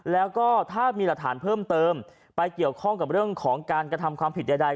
แล้วก็ถ้ามีหลักฐานเพิ่มเติมไปเกี่ยวข้องกับเรื่องของการกระทำความผิดใด